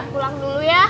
pulang dulu ya